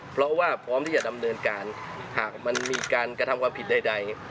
เพราะว่าพร้อมที่จะดำเนินการหากมันมีการกระทำความผิดใด